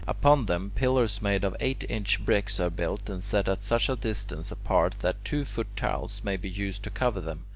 Upon them, pillars made of eight inch bricks are built, and set at such a distance apart that two foot tiles may be used to cover them.